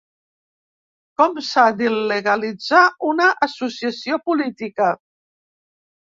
Com s’ha d’il·legalitzar una associació política?